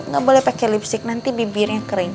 gak boleh pake lipstick nanti bibirnya kering